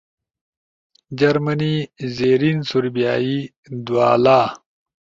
جرمنی، زیرین سوربیائی، دُآلا